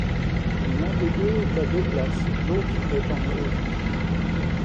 L'un des deux est à deux places, l'autre est en auge.